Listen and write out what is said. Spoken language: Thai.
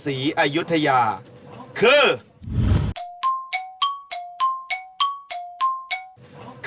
อันนี้หนูขายเท่าไหร่ลูก